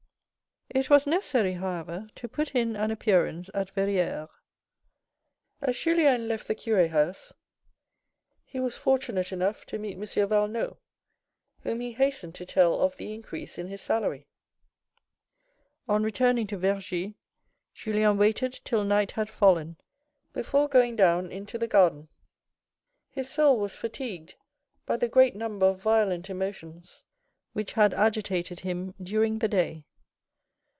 It was necessary, however, to put in an appearance at Verrieres. As Juiien left the cure house he was fortunate enough to meet M. Valenod, whom he hastened to tell of the increase in his salary. On returning to Vergy, Juiien waited till night had fallen before going down into the garden. His soul was fatigued by the great number of violent emotions which had agitated him during the day.